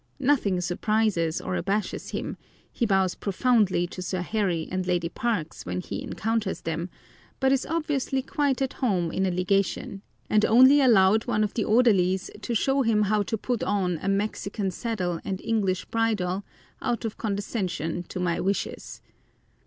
Nothing surprises or abashes him, he bows profoundly to Sir Harry and Lady Parkes when he encounters them, but is obviously "quite at home" in a Legation, and only allowed one of the orderlies to show him how to put on a Mexican saddle and English bridle out of condescension to my wishes.